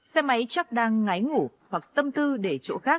xe máy chắc đang ngái ngủ hoặc tâm tư để chỗ khác